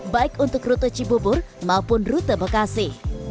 baik untuk rute cibubur maupun rute bekasi